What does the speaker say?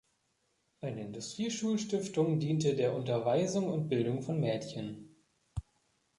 Eine Industrieschulstiftung diente der Unterweisung und Bildung von Mädchen.